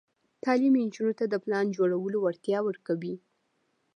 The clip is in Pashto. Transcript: تعلیم نجونو ته د پلان جوړولو وړتیا ورکوي.